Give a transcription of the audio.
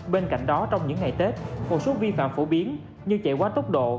bên cạnh đó trong những ngày tết một số vi phạm phổ biến như chạy quá tốc độ